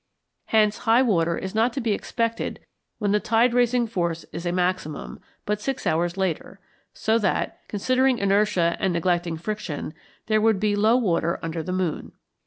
Hence high water is not to be expected when the tide raising force is a maximum, but six hours later; so that, considering inertia and neglecting friction, there would be low water under the moon.